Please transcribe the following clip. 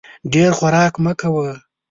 ډېر خوراک مه کوه !